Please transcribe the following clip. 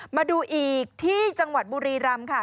มาดูอีกที่จังหวัดบุรีรำค่ะ